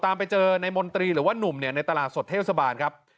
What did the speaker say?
ตามไปเจอในมนตรีหรือว่านุ่มเนี่ยในตลาดสดเทศบาลครับ